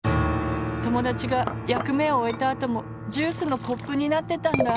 ともだちがやくめをおえたあともジュースのコップになってたんだ。